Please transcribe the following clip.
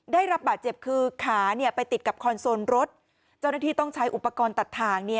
ได้รับบาดเจ็บคือขาไปติดกับคอนโซลรถเจ้าหน้าที่ต้องใช้อุปกรณ์ตัดทาง